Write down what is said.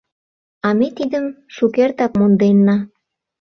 — А ме тидым шукертак монденна.